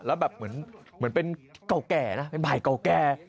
แล้วแบบเหมือนเป็นเก่าแก่นะเป็นไผ่เก่าแก่